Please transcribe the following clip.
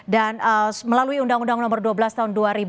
dan melalui undang undang nomor dua belas tahun dua ribu lima